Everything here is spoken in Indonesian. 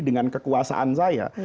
dengan kekuasaan saya